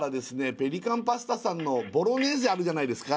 ペリカンパスタさんのボロネーゼあるじゃないですか？